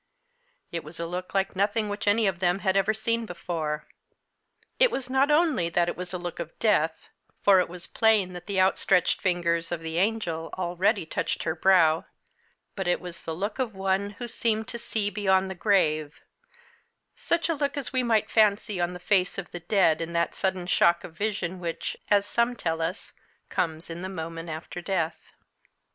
It was a look like nothing which any of them had ever seen before. It was not only that it was a look of death for it was plain that the outstretched fingers of the angel already touched her brow; but it was the look of one who seemed to see beyond the grave such a look as we might fancy on the face of the dead in that sudden shock of vision which, as some tell us, comes in the moment after death.